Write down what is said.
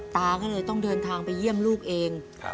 ตาก็เลยต้องเดินทางไปเยี่ยมลูกเอง